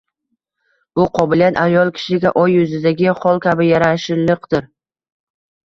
Bu qobiliyat ayol kishiga – oy yuzidagi xol kabi – yarashiqlidir.